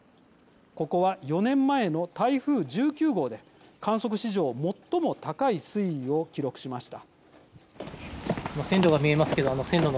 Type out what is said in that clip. ここは４年前の台風１９号で観測史上最も高い水位を記録しました。